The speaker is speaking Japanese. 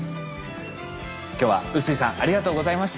今日は臼井さんありがとうございました。